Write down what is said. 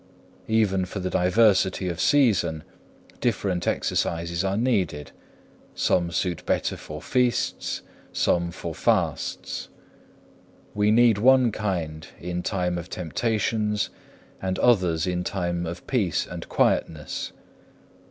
Even for the diversity of season different exercises are needed, some suit better for feasts, some for fasts. We need one kind in time of temptations and others in time of peace and quietness.